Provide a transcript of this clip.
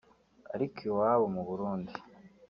ariko iwabo mu Burundi